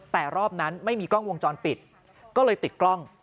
แต่รอบนั้นไม่มีกล้องวงจรปิดก็เลยติดกล้อง